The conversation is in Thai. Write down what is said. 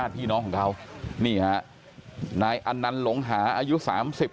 พี่น้องของเขานี่ฮะนายอันนัลหลงหาอายุสามสิบ